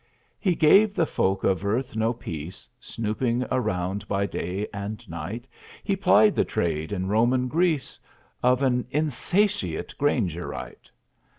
He gave the folk of earth no peace; Snooping around by day and night, He plied the trade in Rome and Greece Of an insatiate Grangerite.